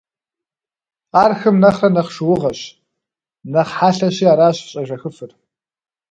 Ар хым нэхърэ нэхъ шыугъэщ, нэхъ хъэлъэщи аращ щӏежэхыфыр.